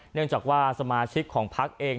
เนื่องจากว่าสมาชิกของพักเอง